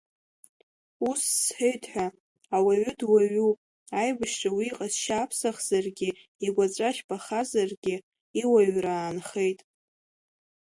Ус сҳәеит ҳәа, ауаҩы дуаҩуп, аибашьра уи иҟазшьа аԥсахзаргьы игәаҵәа жәпахазаргьы, иуаҩра аанхеит.